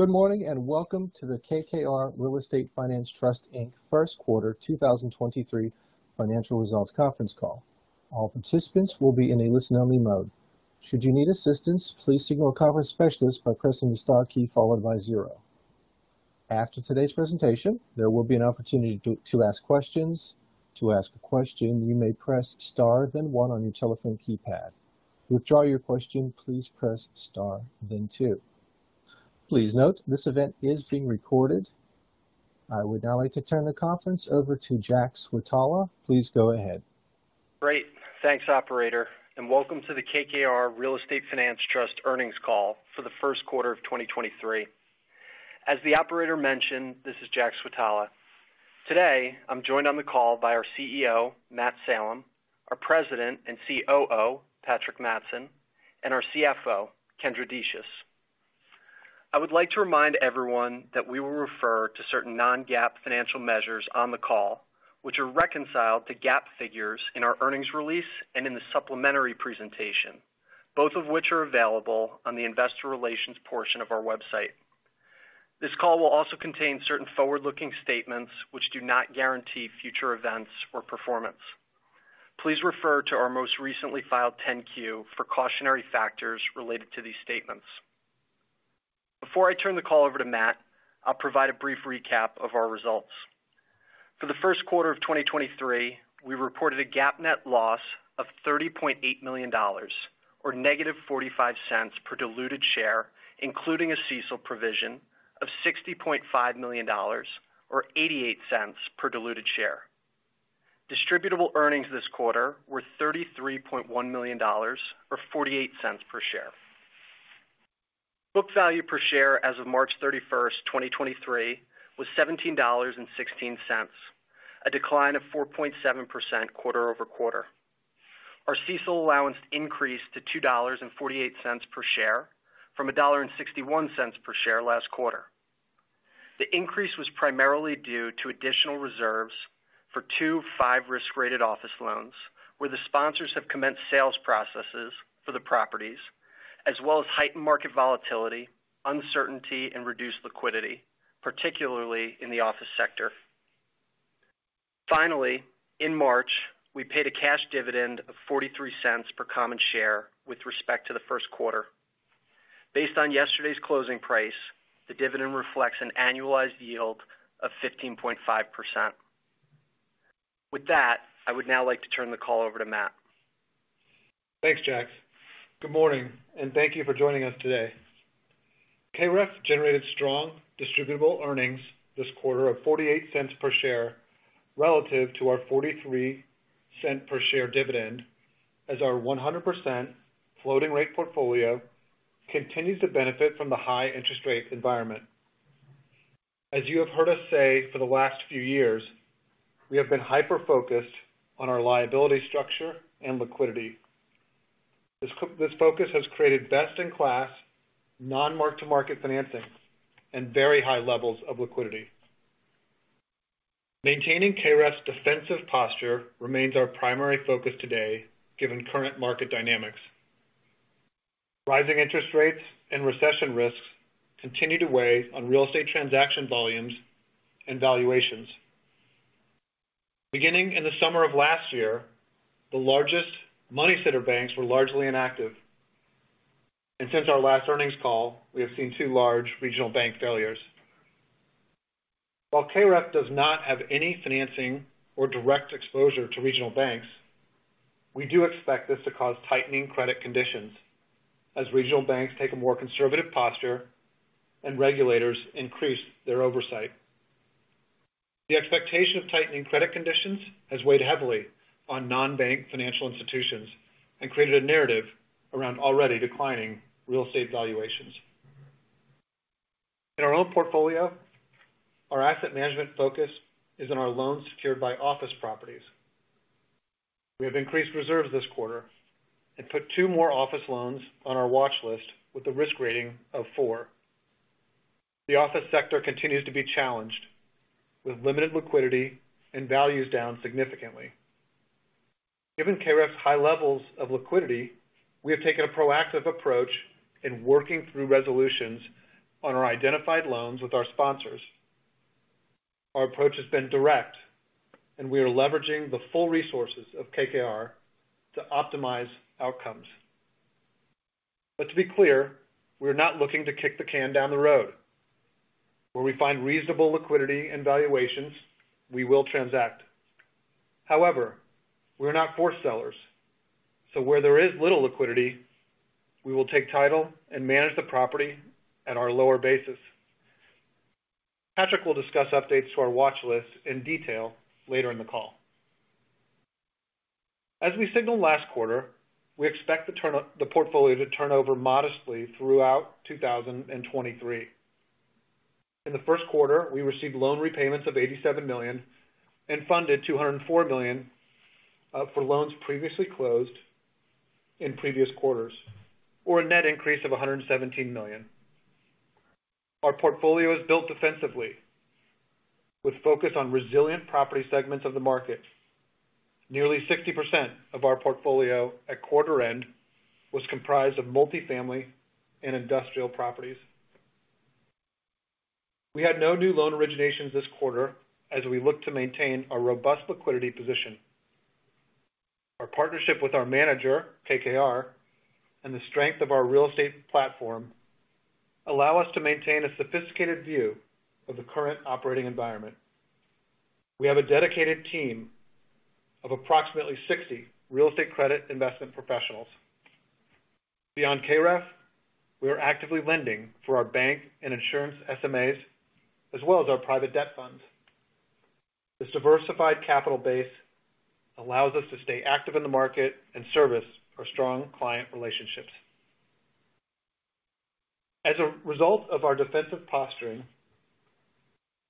Good morning, welcome to the KKR Real Estate Finance Trust Inc. first quarter 2023 financial results conference call. All participants will be in a listen-only mode. Should you need assistance, please signal a conference specialist by pressing the star key followed by zero. After today's presentation, there will be an opportunity to ask questions. To ask a question, you may press star, then one on your telephone keypad. To withdraw your question, please press star, then two. Please note, this event is being recorded. I would now like to turn the conference over to Jack Switala. Please go ahead. Great. Thanks, operator, welcome to the KKR Real Estate Finance Trust earnings call for the first quarter of 2023. As the operator mentioned, this is Jack Switala. Today, I'm joined on the call by our CEO, Matt Salem, our President and COO, Patrick Matson, and our CFO, Kendra Decious. I would like to remind everyone that we will refer to certain non-GAAP financial measures on the call, which are reconciled to GAAP figures in our earnings release and in the supplementary presentation, both of which are available on the investor relations portion of our website. This call will also contain certain forward-looking statements which do not guarantee future events or performance. Please refer to our most recently filed 10-Q for cautionary factors related to these statements. Before I turn the call over to Matt, I'll provide a brief recap of our results. For the first quarter of 2023, we reported a GAAP net loss of $30.8 million or -$0.45 per diluted share, including a CECL provision of $60.5 million or $0.88 per diluted share. Distributable earnings this quarter were $33.1 million or $0.48 per share. Book value per share as of March 31st, 2023 was $17.16, a decline of 4.7% quarter-over-quarter. Our CECL allowance increased to $2.48 per share from $1.61 per share last quarter. The increase was primarily due to additional reserves for two five risk-rated office loans, where the sponsors have commenced sales processes for the properties, as well as heightened market volatility, uncertainty, and reduced liquidity, particularly in the office sector. Finally, in March, we paid a cash dividend of $0.43 per common share with respect to the first quarter. Based on yesterday's closing price, the dividend reflects an annualized yield of 15.5%. With that, I would now like to turn the call over to Matt. Thanks, Jack. Good morning, thank you for joining us today. KREF generated strong Distributable Earnings this quarter of $0.48 per share relative to our $0.43 per share dividend as our 100% floating rate portfolio continues to benefit from the high interest rates environment. As you have heard us say for the last few years, we have been hyper-focused on our liability structure and liquidity. This focus has created best in class non-mark-to-market financing and very high levels of liquidity. Maintaining KREF's defensive posture remains our primary focus today, given current market dynamics. Rising interest rates and recession risks continue to weigh on real estate transaction volumes and valuations. Beginning in the summer of last year, the largest money center banks were largely inactive, and since our last earnings call, we have seen two large regional bank failures. While KREF does not have any financing or direct exposure to regional banks, we do expect this to cause tightening credit conditions as regional banks take a more conservative posture and regulators increase their oversight. The expectation of tightening credit conditions has weighed heavily on non-bank financial institutions and created a narrative around already declining real estate valuations. In our own portfolio, our asset management focus is on our loans secured by office properties. We have increased reserves this quarter and put two more office loans on our watch list with a risk rating of four. The office sector continues to be challenged with limited liquidity and values down significantly. Given KREF's high levels of liquidity, we have taken a proactive approach in working through resolutions on our identified loans with our sponsors. Our approach has been direct. We are leveraging the full resources of KKR to optimize outcomes. To be clear, we're not looking to kick the can down the road. Where we find reasonable liquidity and valuations, we will transact. However, we're not forced sellers, where there is little liquidity, we will take title and manage the property at our lower basis. Patrick will discuss updates to our watch list in detail later in the call. As we signaled last quarter, we expect the portfolio to turn over modestly throughout 2023. In the first quarter, we received loan repayments of $87 million and funded $204 million for loans previously closed in previous quarters, or a net increase of $117 million. Our portfolio is built defensively. With focus on resilient property segments of the market. Nearly 60% of our portfolio at quarter end was comprised of multifamily and industrial properties. We had no new loan originations this quarter as we look to maintain a robust liquidity position. Our partnership with our manager, KKR, and the strength of our real estate platform allow us to maintain a sophisticated view of the current operating environment. We have a dedicated team of approximately 60 real estate credit investment professionals. Beyond KREF, we are actively lending for our bank and insurance SMAs, as well as our private debt funds. This diversified capital base allows us to stay active in the market and service our strong client relationships. As a result of our defensive posturing,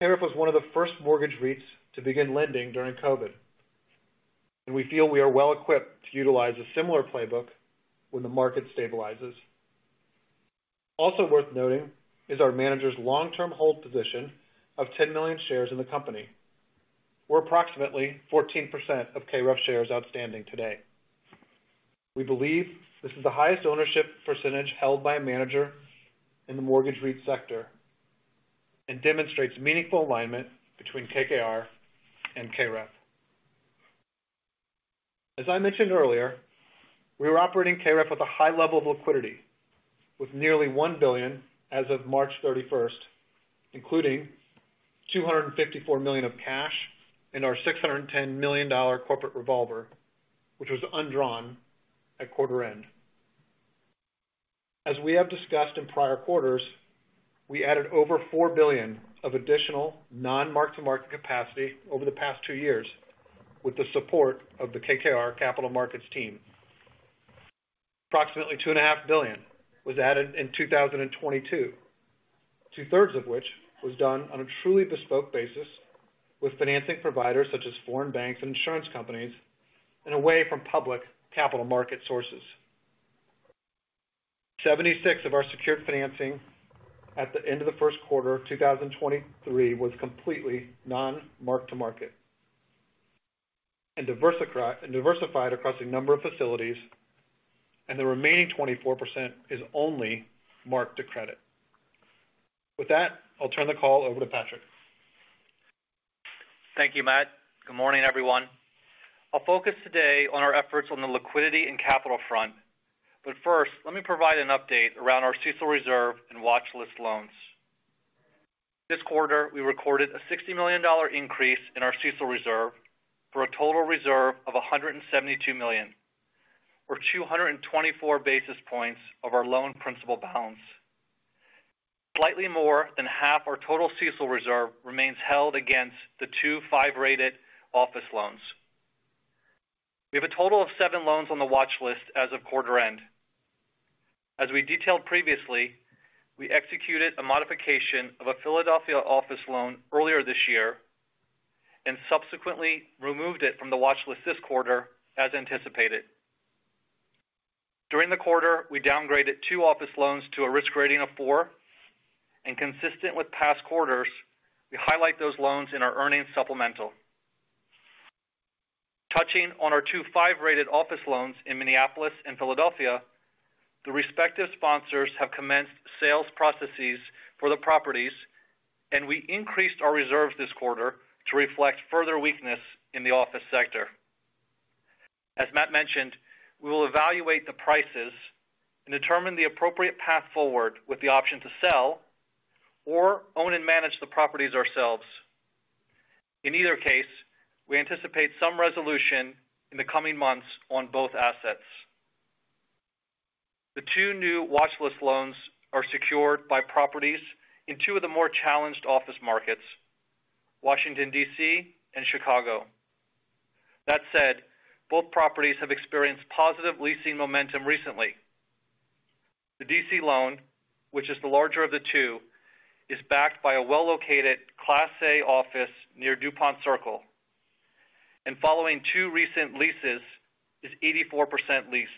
KREF was one of the first mortgage REITs to begin lending during COVID, and we feel we are well equipped to utilize a similar playbook when the market stabilizes. Also worth noting is our manager's long-term hold position of 10 million shares in the company. We're approximately 14% of KREF shares outstanding today. We believe this is the highest ownership percentage held by a manager in the mortgage REIT sector and demonstrates meaningful alignment between KKR and KREF. As I mentioned earlier, we are operating KREF with a high level of liquidity with nearly $1 billion as of March 31st, including $254 million of cash in our $610 million corporate revolver, which was undrawn at quarter end. As we have discussed in prior quarters, we added over $4 billion of additional non-mark-to-market capacity over the past two years with the support of the KKR Capital Markets team. Approximately $2.5 billion was added in 2022, two-thirds of which was done on a truly bespoke basis with financing providers such as foreign banks and insurance companies and away from public capital market sources. 76 of our secured financing at the end of the first quarter of 2023 was completely non-mark-to-market and diversified across a number of facilities, and the remaining 24% is only mark-to-credit. With that, I'll turn the call over to Patrick. Thank you, Matt. Good morning, everyone. I'll focus today on our efforts on the liquidity and capital front. First, let me provide an update around our CECL reserve and watchlist loans. This quarter, we recorded a $60 million increase in our CECL reserve for a total reserve of $172 million, or 224 basis points of our loan principal balance. Slightly more than half our total CECL reserve remains held against the two Five-rated office loans. We have a total of seven loans on the watchlist as of quarter end. As we detailed previously, we executed a modification of a Philadelphia office loan earlier this year and subsequently removed it from the watchlist this quarter as anticipated. During the quarter, we downgraded two office loans to a risk rating of four. Consistent with past quarters, we highlight those loans in our earnings supplemental. Touching on our two Five-rated office loans in Minneapolis and Philadelphia, the respective sponsors have commenced sales processes for the properties. We increased our reserves this quarter to reflect further weakness in the office sector. As Matt mentioned, we will evaluate the prices and determine the appropriate path forward with the option to sell or own and manage the properties ourselves. In either case, we anticipate some resolution in the coming months on both assets. The two new watchlist loans are secured by properties in two of the more challenged office markets: Washington, D.C., and Chicago. That said, both properties have experienced positive leasing momentum recently. The D.C. loan, which is the larger of the two, is backed by a well-located Class A office near Dupont Circle, and following two recent leases, is 84% leased.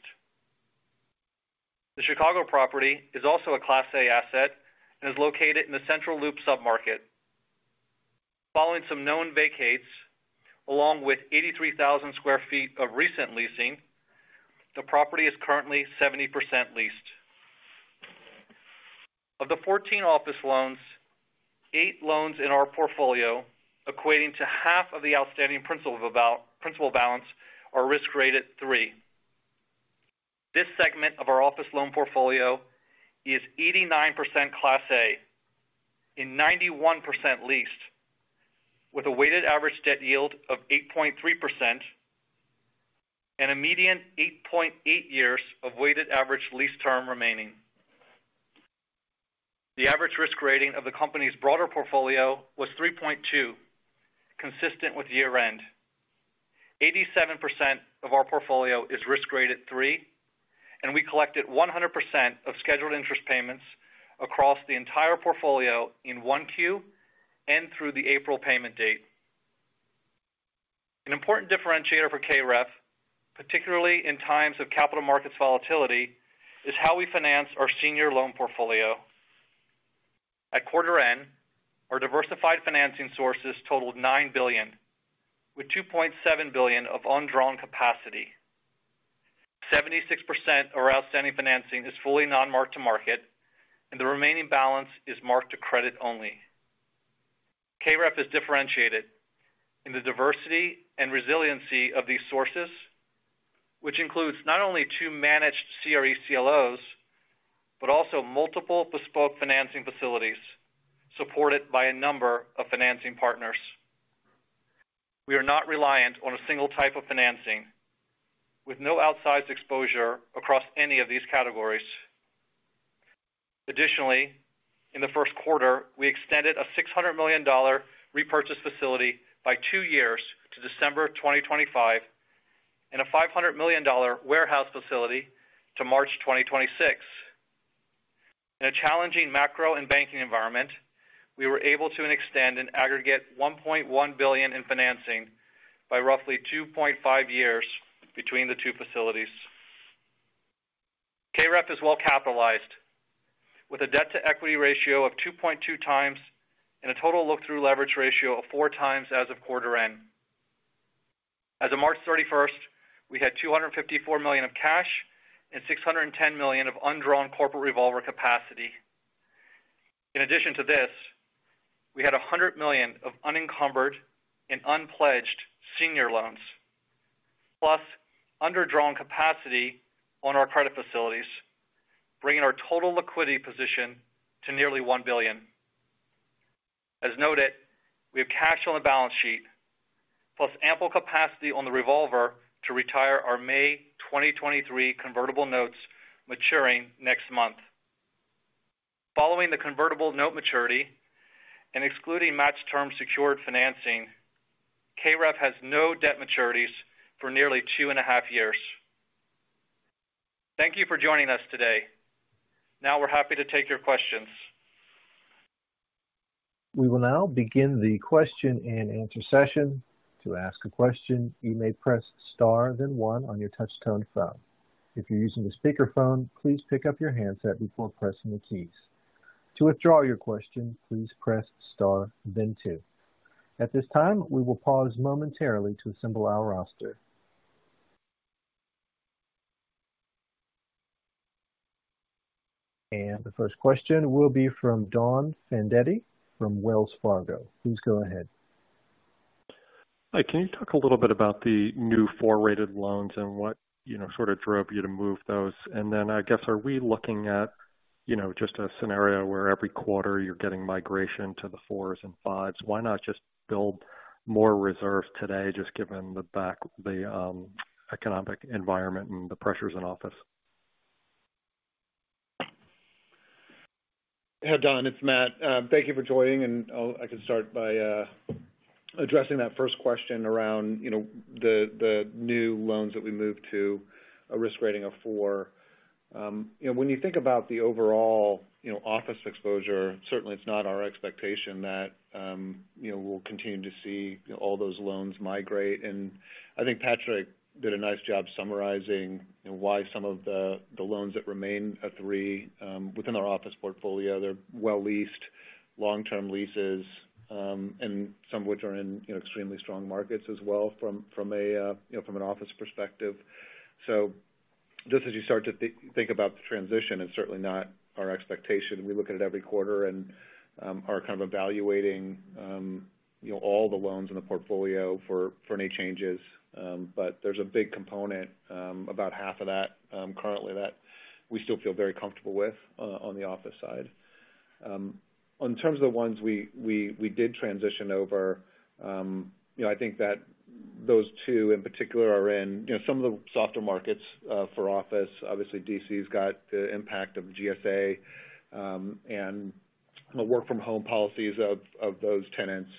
The Chicago property is also a Class A asset and is located in the Central Loop submarket. Following some known vacates, along with 83,000 sq ft of recent leasing, the property is currently 70% leased. Of the 14 office loans, eight loans in our portfolio, equating to half of the outstanding principal of a principal balance are risk grade at three. This segment of our office loan portfolio is 89% Class A and 91% leased with a weighted average debt yield of 8.3% and a median 8.8 years of weighted average lease term remaining. The average risk rating of the company's broader portfolio was 3.2, consistent with year-end. 87% of our portfolio is risk grade at three, and we collected 100% of scheduled interest payments across the entire portfolio in 1Q and through the April payment date. An important differentiator for KREF, particularly in times of capital markets volatility, is how we finance our senior loan portfolio. At quarter end, our diversified financing sources totaled $9 billion, with $2.7 billion of undrawn capacity. 76% of our outstanding financing is fully non-marked to market, and the remaining balance is marked to credit only. KREF is differentiated in the diversity and resiliency of these sources, which includes not only two managed CRE CLOs, but also multiple bespoke financing facilities supported by a number of financing partners. We are not reliant on a single type of financing with no outsized exposure across any of these categories. In the first quarter, we extended a $600 million repurchase facility by two years to December 2025 and a $500 million warehouse facility to March 2026. In a challenging macro and banking environment, we were able to extend an aggregate $1.1 billion in financing by roughly 2.5 years between the two facilities. KREF is well capitalized with a debt to equity ratio of 2.2x and a total look-through leverage ratio of 4x as of quarter end. As of March 31st, we had $254 million of cash and $610 million of undrawn corporate revolver capacity. In addition to this, we had $100 million of unencumbered and unpledged senior loans, plus under-drawn capacity on our credit facilities, bringing our total liquidity position to nearly $1 billion. As noted, we have cash on the balance sheet, plus ample capacity on the revolver to retire our May 2023 convertible notes maturing next month. Following the convertible note maturity and excluding match term secured financing, KREF has no debt maturities for nearly two and a half years. Thank you for joining us today. We're happy to take your questions. We will now begin the question and answer session. To ask a question, you may press star then One on your touchtone phone. If you're using a speakerphone, please pick up your handset before pressing the keys. To withdraw your question, please press Star then Two. At this time, we will pause momentarily to assemble our roster. The first question will be from Don Fandetti from Wells Fargo. Please go ahead. Hi. Can you talk a little bit about the new four-rated loans and what, you know, sort of drove you to move those? I guess, are we looking at, you know, just a scenario where every quarter you're getting migration to the fours and fives? Why not just build more reserves today, just given the economic environment and the pressures in office? Hey, Don, it's Matt. Thank you for joining. I can start by addressing that first question around, you know, the new loans that we moved to a risk rating of four. You know, when you think about the overall, you know, office exposure, certainly it's not our expectation that, you know, we'll continue to see all those loans migrate. I think Patrick did a nice job summarizing why some of the loans that remain at three, within our office portfolio, they're well leased, long-term leases, and some of which are in extremely strong markets as well from a, you know, from an office perspective. Just as you start to think about the transition, it's certainly not our expectation. We look at it every quarter, are kind of evaluating, you know, all the loans in the portfolio for any changes. There's a big component, about half of that, currently that we still feel very comfortable with on the office side. In terms of the ones we did transition over, you know, I think that those two in particular are in, you know, some of the softer markets for office. Obviously, D.C.'s got the impact of GSA, and the work from home policies of those tenants.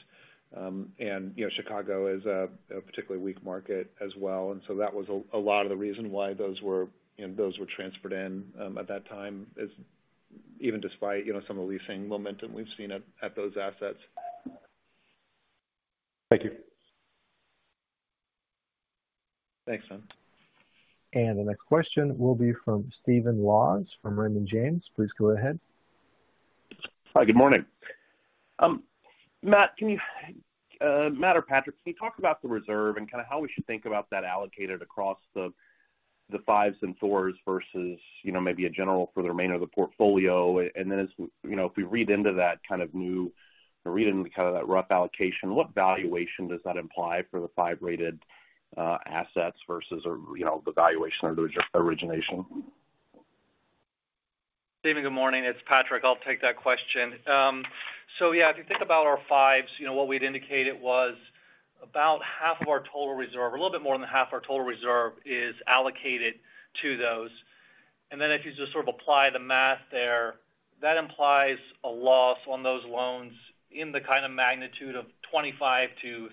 You know, Chicago is a particularly weak market as well. That was a lot of the reason why those were, you know, those were transferred in at that time is even despite, you know, some of the leasing momentum we've seen at those assets. Thank you. Thanks, Don. The next question will be from Stephen Laws from Raymond James. Please go ahead. Hi. Good morning. Matt, can you, Matt or Patrick, can you talk about the reserve and kinda how we should think about that allocated across the fives and fours versus, you know, maybe a general for the remainder of the portfolio? As, you know, if we read into kind of that rough allocation, what valuation does that imply for the five-rated assets versus or, you know, the valuation of the origination? Stephen, good morning. It's Patrick. I'll take that question. Yeah, if you think about our fives, you know, what we'd indicated was about half of our total reserve, a little bit more than half our total reserve is allocated to those. If you just sort of apply the math there, that implies a loss on those loans in the kinda magnitude of 25%-30%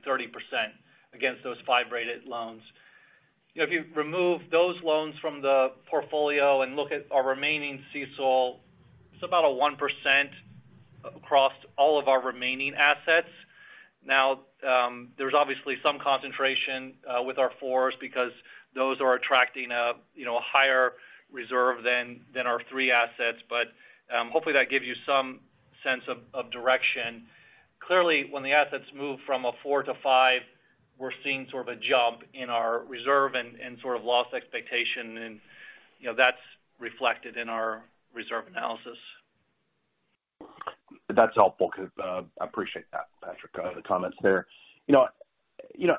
against those five-rated loans. You know, if you remove those loans from the portfolio and look at our remaining CECL, it's about a 1%. All of our remaining assets. There's obviously some concentration, with our fours because those are attracting a, you know, a higher reserve than our three assets. Hopefully that gives you some sense of direction. Clearly, when the assets move from a four to five, we're seeing sort of a jump in our reserve and sort of loss expectation and, you know, that's reflected in our reserve analysis. That's helpful. I appreciate that, Patrick, the comments there. You know,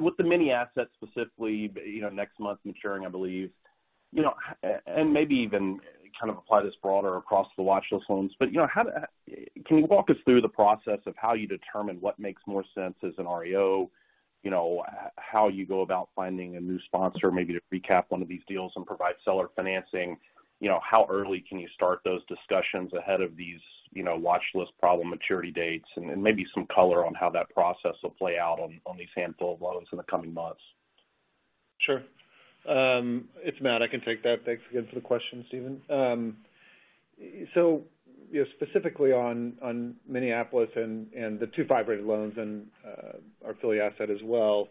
with the mini assets specifically, you know, next month maturing, I believe, you know, and maybe even kind of apply this broader across the watchlist loans. You know, Can you walk us through the process of how you determine what makes more sense as an REO? You know, how you go about finding a new sponsor, maybe to recap one of these deals and provide seller financing. You know, how early can you start those discussions ahead of these, you know, watchlist problem maturity dates? Maybe some color on how that process will play out on the sample of loans in the coming months. Sure. It's Matt, I can take that. Thanks again for the question, Stephen. You know, specifically on Minneapolis and the two five-rated loans and our affiliate asset as well,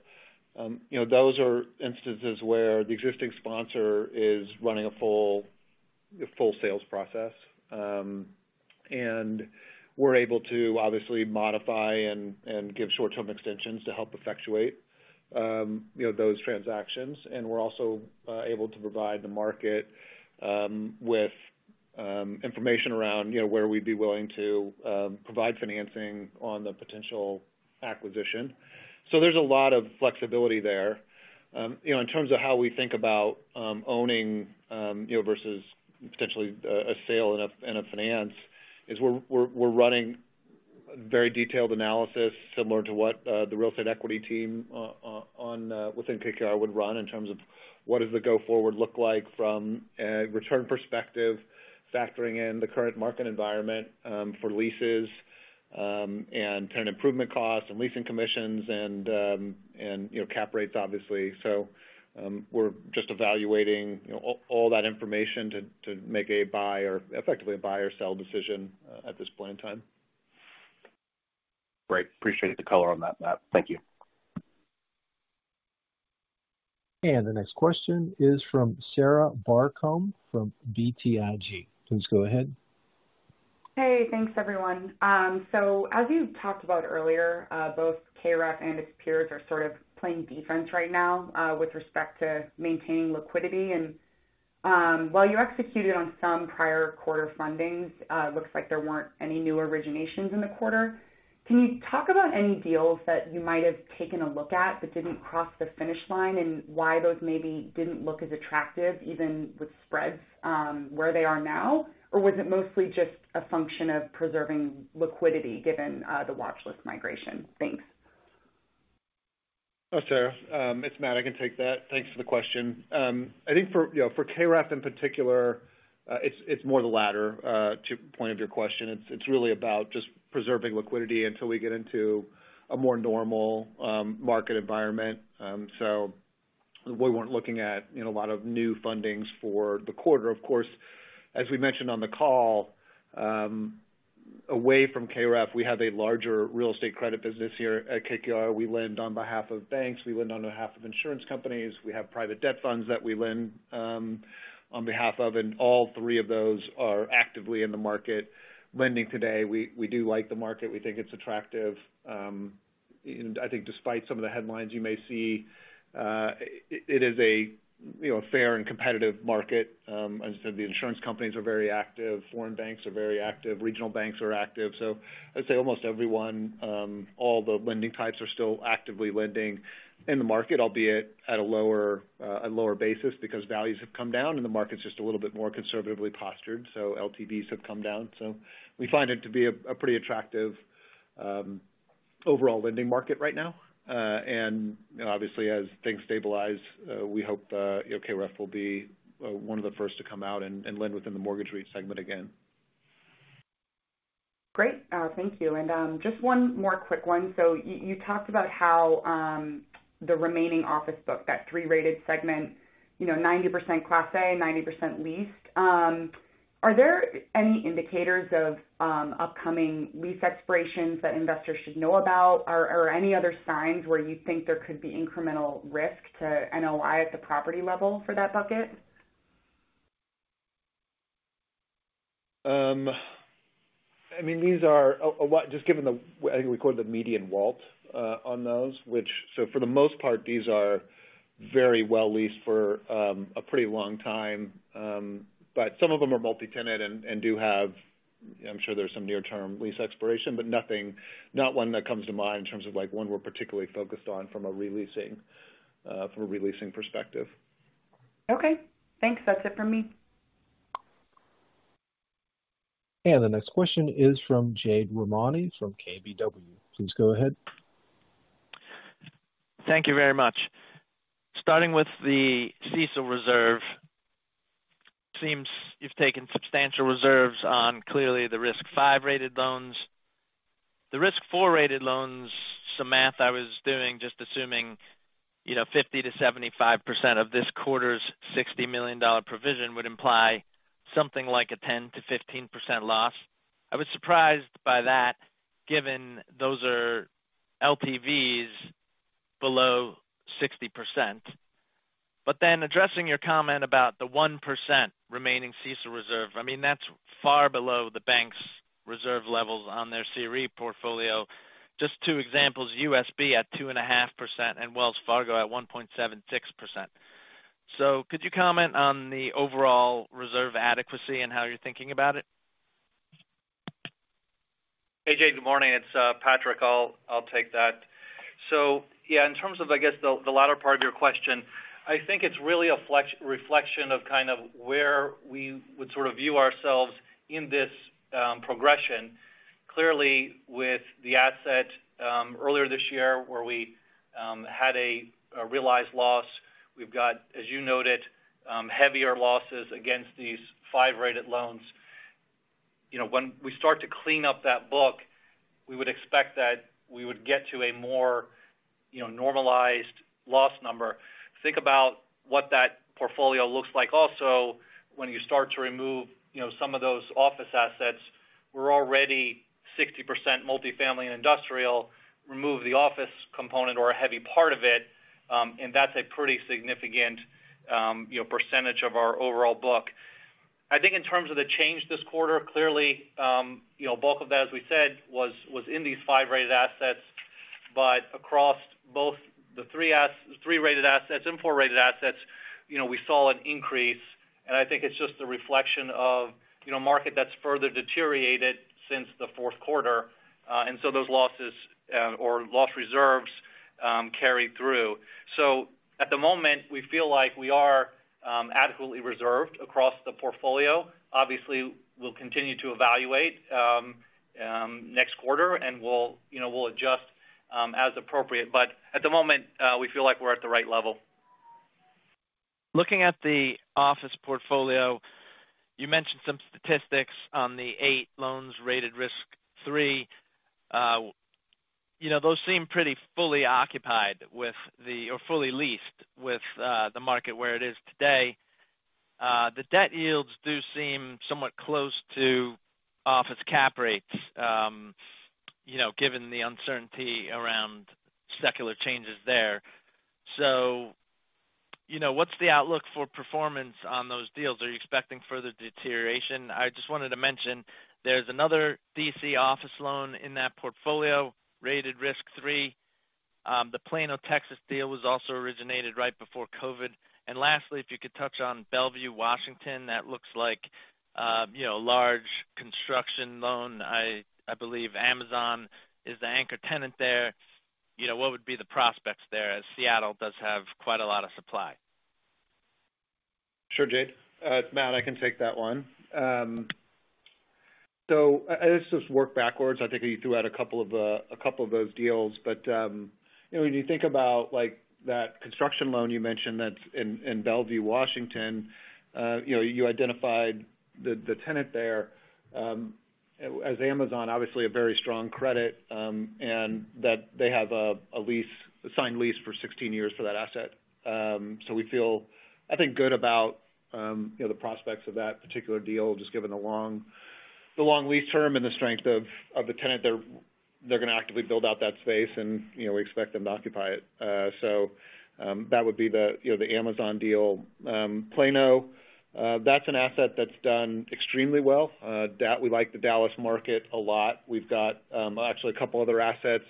you know, those are instances where the existing sponsor is running a full sales process. We're able to obviously modify and give short-term extensions to help effectuate, you know, those transactions. We're also able to provide the market with information around, you know, where we'd be willing to provide financing on the potential acquisition. There's a lot of flexibility there. You know, in terms of how we think about owning, you know, versus potentially a sale and a, and a finance is we're running very detailed analysis similar to what the real estate equity team on within KKR would run in terms of what does the go forward look like from a return perspective, factoring in the current market environment for leases, and tenant improvement costs and leasing commissions and, you know, cap rates, obviously. We're just evaluating, you know, all that information to make a buy or effectively a buy or sell decision at this point in time. Great. Appreciate the color on that, Matt. Thank you. The next question is from Sarah Barcomb from BTIG. Please go ahead. Hey, thanks everyone. As you talked about earlier, both KREF and its peers are sort of playing defense right now, with respect to maintaining liquidity. While you executed on some prior quarter fundings, looks like there weren't any new originations in the quarter. Can you talk about any deals that you might have taken a look at but didn't cross the finish line, and why those maybe didn't look as attractive even with spreads, where they are now? Was it mostly just a function of preserving liquidity given, the watchlist migration? Thanks. Oh, Sarah, it's Matt, I can take that. Thanks for the question. I think for, you know, for KREF in particular, it's more the latter, to point of your question. It's, it's really about just preserving liquidity until we get into a more normal market environment. We weren't looking at, you know, a lot of new fundings for the quarter. Of course, as we mentioned on the call, away from KREF, we have a larger real estate credit business here at KKR. We lend on behalf of banks. We lend on behalf of insurance companies. We have private debt funds that we lend on behalf of, all three of those are actively in the market lending today. We do like the market. We think it's attractive. I think despite some of the headlines you may see, it is a, you know, a fair and competitive market. As I said, the insurance companies are very active, foreign banks are very active, regional banks are active. I'd say almost everyone, all the lending types are still actively lending in the market, albeit at a lower, a lower basis because values have come down and the market's just a little bit more conservatively postured, so LTVs have come down. We find it to be a pretty attractive, overall lending market right now. You know, obviously, as things stabilize, we hope, you know, KREF will be one of the first to come out and lend within the mortgage REIT segment again. Great. Thank you. Just one more quick one. You talked about how the remaining office book, that three-rated segment, you know, 90% Class A, 90% leased. Are there any indicators of upcoming lease expirations that investors should know about, or any other signs where you think there could be incremental risk to NOI at the property level for that bucket? I mean, these are Just given the, I think we call it the median WALT on those. For the most part, these are very well leased for a pretty long time. Some of them are multi-tenant and do have... I'm sure there's some near-term lease expiration, but not one that comes to mind in terms of like one we're particularly focused on from a re-leasing perspective. Okay. Thanks. That's it from me. The next question is from Jade Rahmani from KBW. Please go ahead. Thank you very much. Starting with the CECL reserve, seems you've taken substantial reserves on clearly the risk five-rated loans. The risk four-rated loans, some math I was doing, just assuming, you know, 50%-75% of this quarter's $60 million provision would imply something like a 10%-15% loss. I was surprised by that, given those are LTVs below 60%. Addressing your comment about the 1% remaining CECL reserve, I mean, that's far below the bank's reserve levels on their CRE portfolio. Just two examples, USB at 2.5% and Wells Fargo at 1.76%. Could you comment on the overall reserve adequacy and how you're thinking about it? Hey, Jade, good morning. It's Patrick. I'll take that. Yeah, in terms of, I guess, the latter part of your question, I think it's really a reflection of kind of where we would sort of view ourselves in this progression. Clearly, with the asset earlier this year where we had a realized loss, we've got, as you noted, heavier losses against these five-rated loans. You know, when we start to clean up that book, we would expect that we would get to a more, you know, normalized loss number. Think about what that portfolio looks like also when you start to remove, you know, some of those office assets. We're already 60% multifamily and industrial, remove the office component or a heavy part of it, and that's a pretty significant, you know, percentage of our overall book. I think in terms of the change this quarter, clearly, you know, bulk of that, as we said, was in these five-rated assets. Across both the three-rated assets and four-rated assets, you know, we saw an increase. I think it's just a reflection of, you know, a market that's further deteriorated since the fourth quarter. Those losses or loss reserves carry through. At the moment, we feel like we are adequately reserved across the portfolio. Obviously, we'll continue to evaluate next quarter, and we'll, you know, we'll adjust as appropriate. At the moment, we feel like we're at the right level. Looking at the office portfolio, you mentioned some statistics on the eight loans rated risk three. You know, those seem pretty fully occupied or fully leased with the market where it is today. The debt yields do seem somewhat close to office cap rates, you know, given the uncertainty around secular changes there. What's the outlook for performance on those deals? Are you expecting further deterioration? I just wanted to mention there's another D.C. office loan in that portfolio rated risk three. The Plano Texas deal was also originated right before COVID. Lastly, if you could touch on Bellevue, Washington, that looks like, you know, a large construction loan. I believe Amazon is the anchor tenant there. You know, what would be the prospects there, as Seattle does have quite a lot of supply? Sure, Jade. Matt, I can take that one. Let's just work backwards. I think you threw out a couple of those deals. You know, when you think about, like, that construction loan you mentioned that's in Bellevue, Washington, you know, you identified the tenant there as Amazon, obviously a very strong credit, and that they have a lease, a signed lease for 16 years for that asset. We feel, I think, good about, you know, the prospects of that particular deal, just given the long lease term and the strength of the tenant. They're gonna actively build out that space and, you know, we expect them to occupy it. That would be the, you know, the Amazon deal. Plano, that's an asset that's done extremely well. We like the Dallas market a lot. We've got actually a couple other assets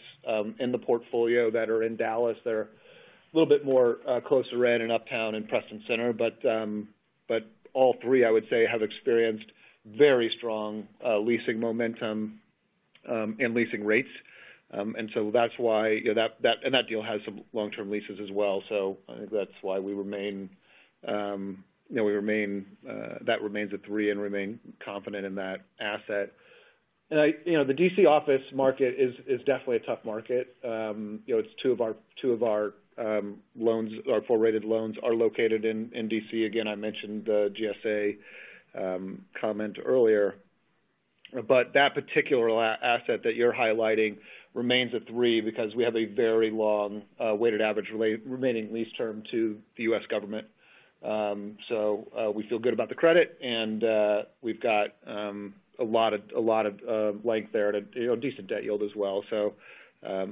in the portfolio that are in Dallas. They're a little bit more close to rent in Uptown and Preston Center. All three, I would say, have experienced very strong leasing momentum and leasing rates. So that's why, you know, that and that deal has some long-term leases as well. I think that's why we remain, you know, we remain, that remains a three and remain confident in that asset. I you know, the D.C. office market is definitely a tough market. You know, it's two of our loans or four-rated loans are located in D.C. I mentioned the GSA comment earlier. That particular asset that you're highlighting remains a three because we have a very long weighted average remaining lease term to the U.S. government. we feel good about the credit and we've got a lot of length there to, you know, decent debt yield as well. you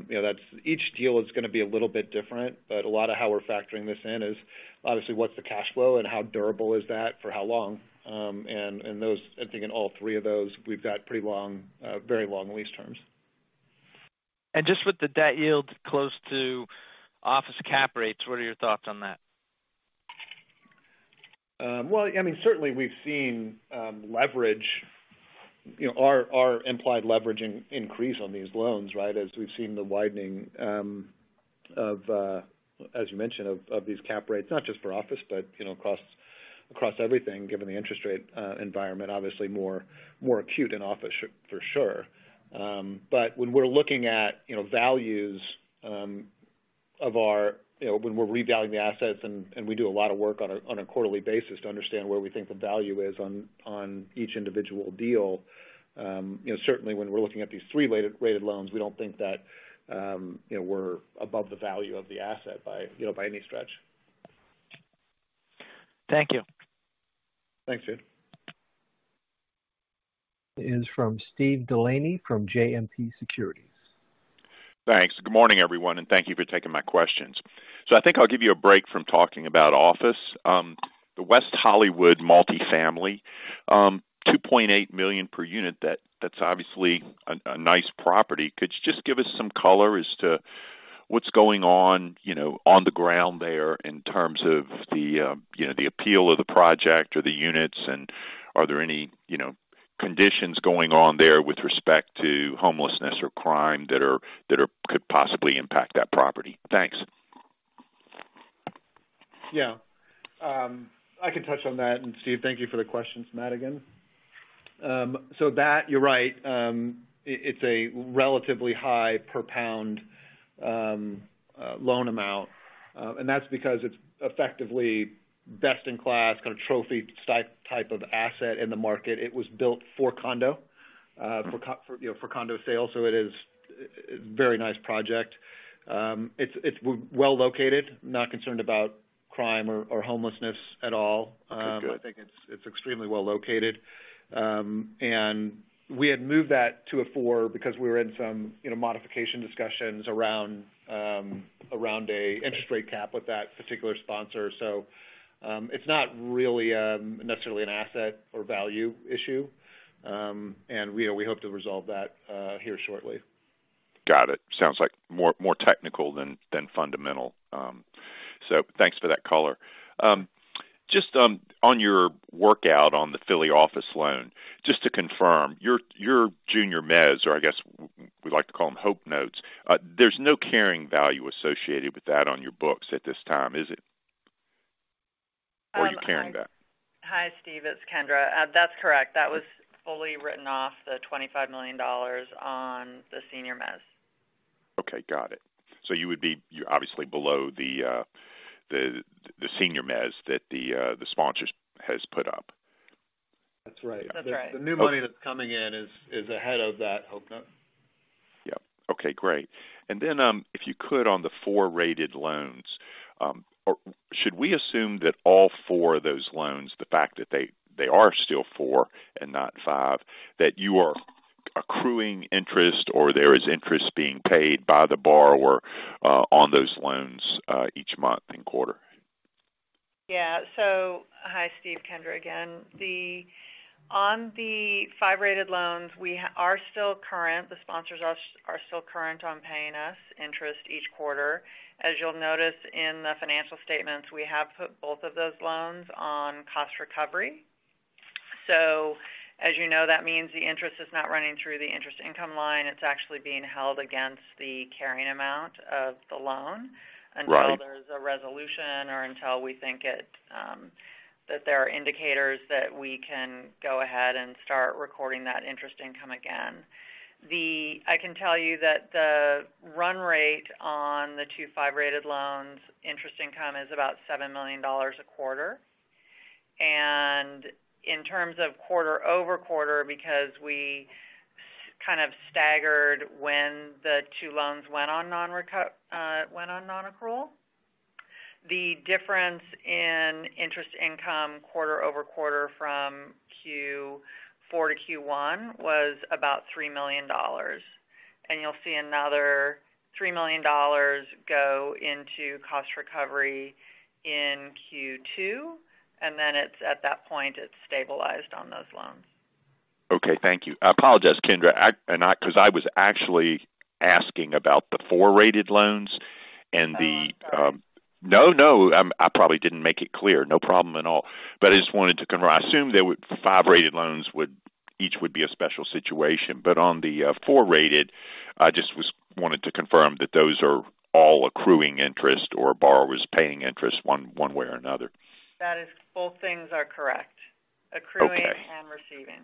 know, each deal is gonna be a little bit different, but a lot of how we're factoring this in is obviously what's the cash flow and how durable is that for how long. and those, I think in all three of those, we've got pretty long, very long lease terms. Just with the debt yield close to office cap rates, what are your thoughts on that? Well, I mean, certainly we've seen leverage, you know, our implied leverage increase on these loans, right? As we've seen the widening of, as you mentioned, of these cap rates, not just for office, but you know, across everything, given the interest rate environment, obviously more acute in office for sure. When we're looking at, you know, values of our, you know, when we're revaluing the assets, and we do a lot of work on a quarterly basis to understand where we think the value is on each individual deal. You know, certainly when we're looking at these three rated loans, we don't think that, you know, we're above the value of the asset by, you know, by any stretch. Thank you. Thanks, Jade. Is from Steve Delaney from JMP Securities. Thanks. Good morning, everyone, and thank you for taking my questions. I think I'll give you a break from talking about office. The West Hollywood multifamily, $2.8 million per unit, that's obviously a nice property. Could you just give us some color as to what's going on, you know, on the ground there in terms of the, you know, the appeal of the project or the units? Are there any, you know, conditions going on there with respect to homelessness or crime that are could possibly impact that property? Thanks. Yeah. I can touch on that. Steve, thank you for the question, Matt, again. You're right. It's a relatively high per pound loan amount. That's because it's effectively best in class kind of trophy-type of asset in the market. It was built for condo, you know, for condo sale, it is a very nice project. It's well located. Not concerned about crime or homelessness at all. Okay. Good. I think it's extremely well located. We had moved that to a four because we were in some, you know, modification discussions around an interest rate cap with that particular sponsor. It's not really necessarily an asset or value issue. We hope to resolve that here shortly. Got it. Sounds like more, more technical than fundamental. Thanks for that color. Just on your workout on the Philly office loan, just to confirm, your junior mezz, or I guess we like to call them hope notes, there's no carrying value associated with that on your books at this time, is it? Or are you carrying that? Hi, Steve. It's Kendra. That's correct. That was fully written off the $25 million on the senior mezz. Got it. You're obviously below the senior mezz that the sponsors has put up. That's right. That's right. The new money that's coming in is ahead of that hope note. Yep. Okay, great. If you could on the four rated loans, or should we assume that all four of those loans, the fact that they are still four and not five, that you are accruing interest or there is interest being paid by the borrower on those loans each month and quarter? Hi, Steve. Kendra again. On the five rated loans, we are still current. The sponsors are still current on paying us interest each quarter. As you'll notice in the financial statements, we have put both of those loans on cost recovery. As you know, that means the interest is not running through the interest income line. It's actually being held against the carrying amount of the loan. Right... until there's a resolution or until we think it that there are indicators that we can go ahead and start recording that interest income again. I can tell you that the run rate on the two five-rated loans interest income is about $7 million a quarter. In terms of quarter-over-quarter, because we kind of staggered when the two loans went on non-accrual, the difference in interest income quarter-over-quarter from Q4 to Q1 was about $3 million. You'll see another $3 million go into cost recovery in Q2, and then it's, at that point, it's stabilized on those loans. Okay. Thank you. I apologize, Kendra. Because I was actually asking about the four-rated loans and the. Oh. Sorry. No, no. I probably didn't make it clear. No problem at all. I just wanted to confirm. I assume five rated loans each would be a special situation. On the four rated, wanted to confirm that those are all accruing interest or borrowers paying interest one way or another. Both things are correct. Okay. Accruing and receiving.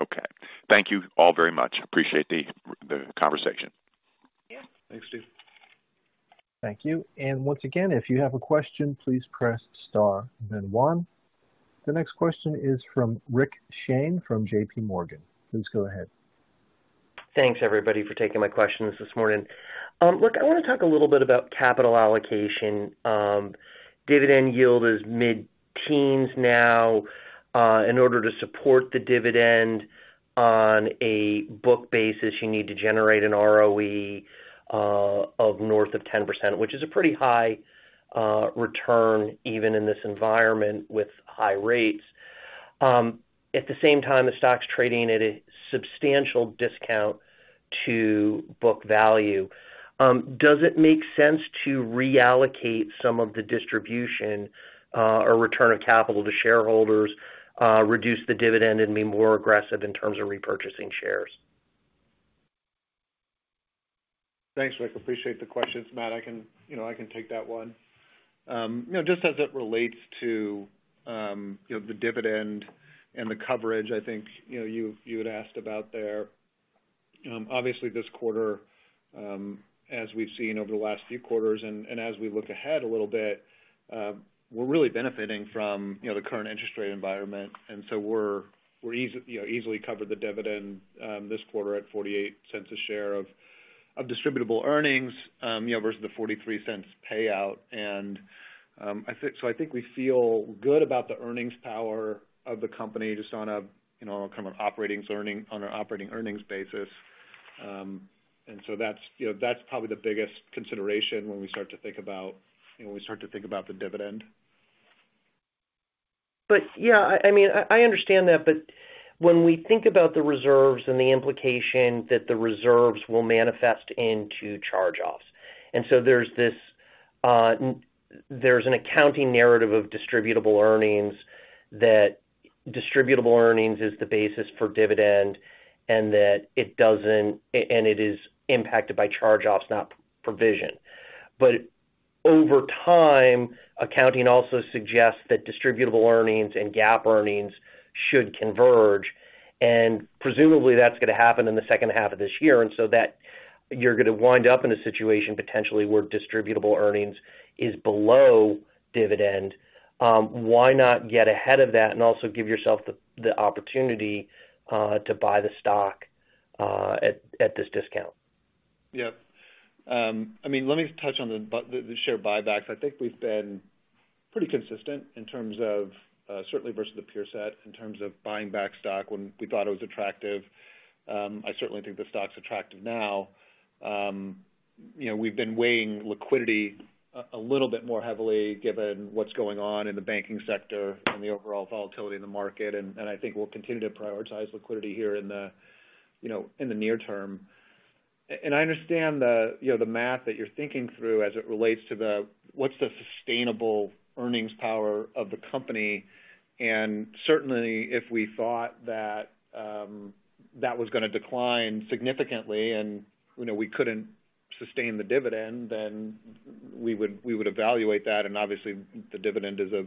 Okay. Thank you all very much. Appreciate the conversation. Yeah. Thanks, Steve. Thank you. Once again, if you have a question, please press star then one. The next question is from Rick Shane from JPMorgan. Please go ahead. Thanks everybody for taking my questions this morning. Look, I wanna talk a little bit about capital allocation. Dividend yield is mid-teens now. In order to support the dividend on a book basis, you need to generate an ROE of north of 10%, which is a pretty high return even in this environment with high rates. At the same time, the stock's trading at a substantial discount to book value. Does it make sense to reallocate some of the distribution or return of capital to shareholders, reduce the dividend and be more aggressive in terms of repurchasing shares? Thanks, Rick. Appreciate the question. Matt, I can, you know, I can take that one. You know, just as it relates to, you know, the dividend and the coverage, I think, you know, you had asked about there. Obviously this quarter, as we've seen over the last few quarters and, as we look ahead a little bit, we're really benefiting from, you know, the current interest rate environment. So we're, you know, easily cover the dividend this quarter at $0.48 a share of Distributable Earnings, you know, versus the $0.43 payout. So I think we feel good about the earnings power of the company just on a, you know, kind of on an operating earnings basis. That's, you know, that's probably the biggest consideration when we start to think about, you know, when we start to think about the dividend. Yeah, I mean, I understand that when we think about the reserves and the implication that the reserves will manifest into charge-offs. There's this there's an accounting narrative of Distributable Earnings that Distributable Earnings is the basis for dividend, and that it is impacted by charge-offs, not provision. Over time, accounting also suggests that Distributable Earnings and GAAP earnings should converge. Presumably, that's gonna happen in the second half of this year. You're gonna wind up in a situation potentially where Distributable Earnings is below dividend. Why not get ahead of that and also give yourself the opportunity to buy the stock at this discount? Yeah. I mean, let me touch on the share buybacks. I think we've been pretty consistent in terms of certainly versus the peer set in terms of buying back stock when we thought it was attractive. I certainly think the stock's attractive now. You know, we've been weighing liquidity a little bit more heavily given what's going on in the banking sector and the overall volatility in the market. I think we'll continue to prioritize liquidity here in the, you know, in the near term. I understand the, you know, the math that you're thinking through as it relates to the, what's the sustainable earnings power of the company. Certainly, if we thought that that was gonna decline significantly and, you know, we couldn't sustain the dividend, then we would evaluate that. Obviously, the dividend is a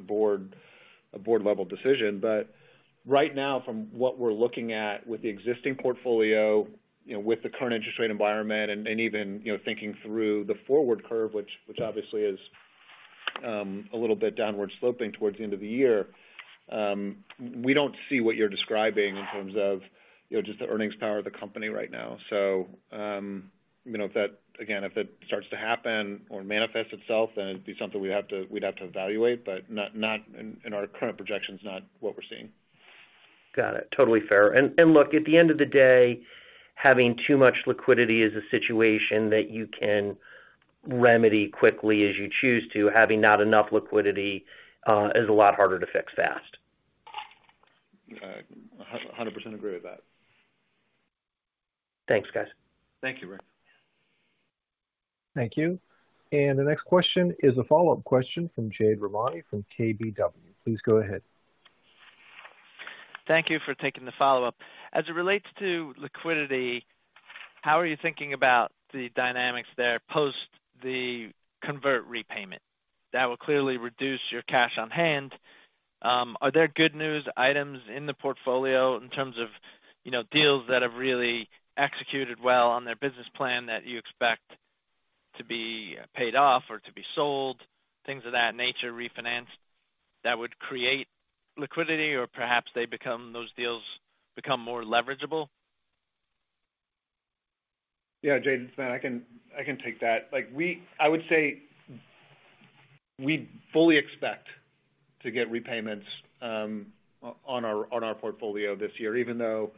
board-level decision. Right now, from what we're looking at with the existing portfolio, you know, with the current interest rate environment and even, you know, thinking through the forward curve, which obviously is a little bit downward sloping towards the end of the year, we don't see what you're describing in terms of, you know, just the earnings power of the company right now. If that. Again, if it starts to happen or manifests itself, then it'd be something we'd have to evaluate, but not in our current projections, not what we're seeing. Got it. Totally fair. Look, at the end of the day, having too much liquidity is a situation that you can remedy quickly as you choose to. Having not enough liquidity is a lot harder to fix fast. Yeah. 100% agree with that. Thanks, guys. Thank you, Rick. Thank you. The next question is a follow-up question from Jade Rahmani from KBW. Please go ahead. Thank you for taking the follow-up. As it relates to liquidity, how are you thinking about the dynamics there post the convert repayment? That will clearly reduce your cash on hand. Are there good news items in the portfolio in terms of, you know, deals that have really executed well on their business plan that you expect to be paid off or to be sold, things of that nature, refinanced, that would create liquidity or perhaps those deals become more leverageable? Jade, it's Matt. I can take that. Like, I would say we fully expect to get repayments on our portfolio this year, even though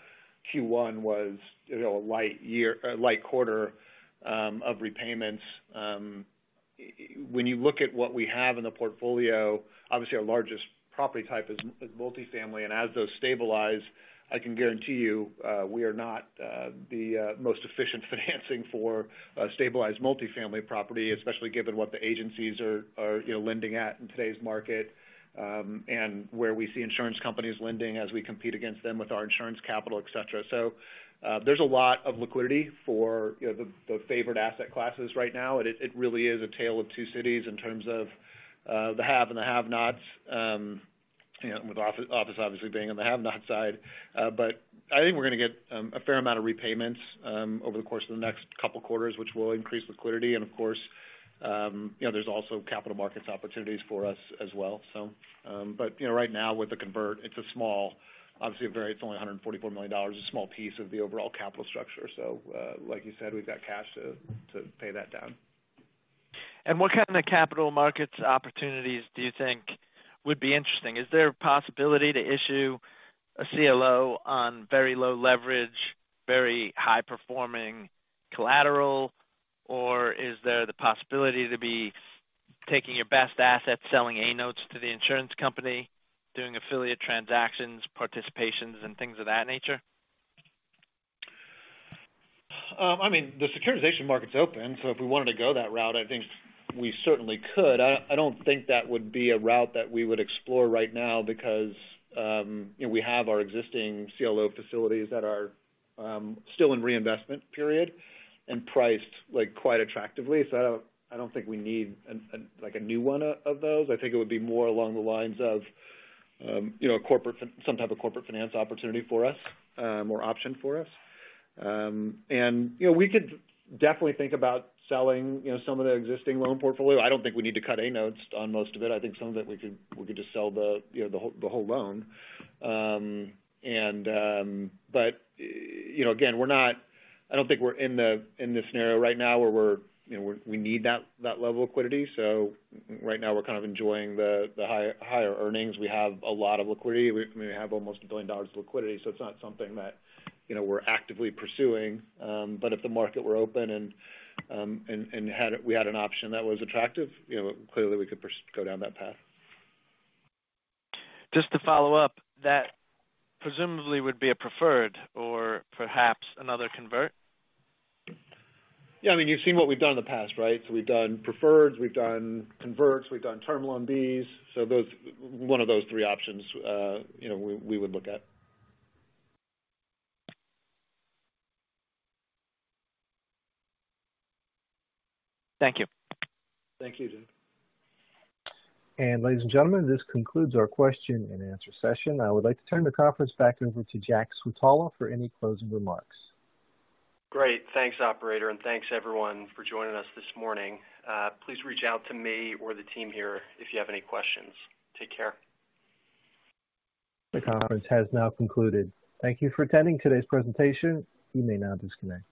Q1 was, you know, a light quarter of repayments. When you look at what we have in the portfolio, obviously our largest property type is multifamily. As those stabilize, I can guarantee you, we are not the most efficient financing for a stabilized multifamily property, especially given what the agencies are, you know, lending at in today's market, and where we see insurance companies lending as we compete against them with our insurance capital, et cetera. There's a lot of liquidity for, you know, the favored asset classes right now. It really is a tale of two cities in terms of the have and the have-nots, you know, with office obviously being on the have-not side. But I think we're gonna get a fair amount of repayments over the course of the next couple quarters, which will increase liquidity. Of course, you know, there's also capital markets opportunities for us as well. But, you know, right now with the convert, it's only $144 million, a small piece of the overall capital structure. Like you said, we've got cash to pay that down. What kind of capital markets opportunities do you think would be interesting? Is there a possibility to issue a CLO on very low leverage, very high performing collateral? Is there the possibility to be taking your best assets, selling A notes to the insurance company, doing affiliate transactions, participations, and things of that nature? I mean, the securitization market's open, so if we wanted to go that route, I think we certainly could. I don't think that would be a route that we would explore right now because, you know, we have our existing CLO facilities that are still in reinvestment period and priced, like, quite attractively. I don't think we need a new one of those. I think it would be more along the lines of, you know, some type of corporate finance opportunity for us, or option for us. You know, we could definitely think about selling, you know, some of the existing loan portfolio. I don't think we need to cut A notes on most of it. I think some of it we could just sell the, you know, the whole loan. You know, again, I don't think we're in the scenario right now where, you know, we need that level of liquidity. Right now we're kind of enjoying the higher earnings. We have a lot of liquidity. We have almost $1 billion of liquidity, so it's not something that, you know, we're actively pursuing. If the market were open and we had an option that was attractive, you know, clearly we could go down that path. Just to follow up, that presumably would be a preferred or perhaps another convert? Yeah. I mean, you've seen what we've done in the past, right? We've done preferreds, we've done converts, we've done Term Loan Bs. One of those three options, you know, we would look at. Thank you. Thank you. Ladies and gentlemen, this concludes our question and answer session. I would like to turn the conference back over to Jack Switala for any closing remarks. Great. Thanks, operator, and thanks everyone for joining us this morning. Please reach out to me or the team here if you have any questions. Take care. The conference has now concluded. Thank you for attending today's presentation. You may now disconnect.